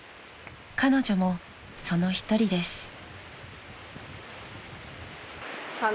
［彼女もその一人です］